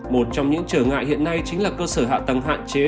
một trong những trở ngại hiện nay chính là cơ sở hạ tầng hạn chế